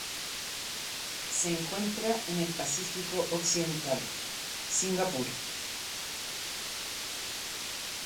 Se encuentra en el Pacífico occidental: Singapur.